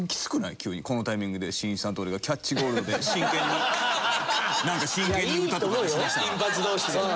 急にこのタイミングでしんいちさんと俺がキャッチゴールドで真剣に真剣に歌とか出しだしたら。